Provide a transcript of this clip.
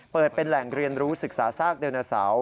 เปิดเป็นแหล่งเรียนรู้ศึกษาซากเดนโอซาว